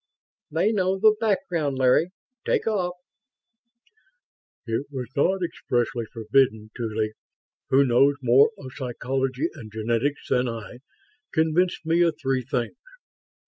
"They know the background, Larry. Take off." "It was not expressly forbidden. Tuly, who knows more of psychology and genetics than I, convinced me of three things.